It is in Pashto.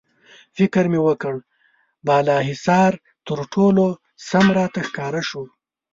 فکر مې وکړ، بالاحصار تر ټولو سم راته ښکاره شو.